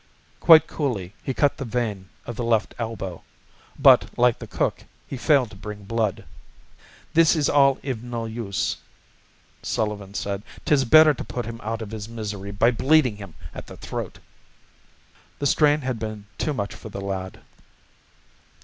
Quite coolly he cut the vein at the left elbow, but, like the cook, he failed to bring blood. "This is all iv no use," Sullivan said. "'Tis better to put him out iv his misery by bleedin' him at the throat." The strain had been too much for the lad.